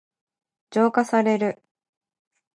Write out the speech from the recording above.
浄化される。